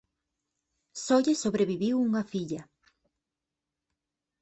Só lle sobreviviu unha filla.